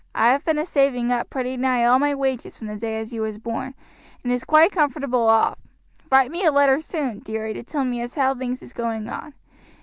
I have been a saving up pretty nigh all my wages from the day as you was born, and is quite comfortable off. Write me a letter soon, dearie, to tell me as how things is going on.